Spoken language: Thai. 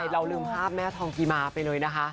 เราลืมภาพแม่ทองกีมาไปเลยนะคะ